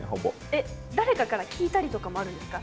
えっ誰かから聞いたりとかもあるんですか？